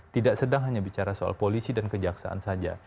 tidak sedang hanya bicara soal polisi dan kejaksaan saja